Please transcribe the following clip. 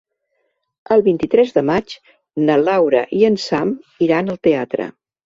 El vint-i-tres de maig na Laura i en Sam iran al teatre.